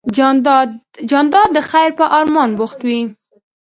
جانداد د خیر په ارمان بوخت وي.